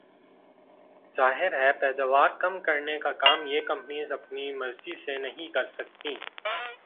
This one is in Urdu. ظاہر ہے پیداوار کم کرنے کا کام یہ کمپنیز اپنی مرضی سے نہیں کر سکتیں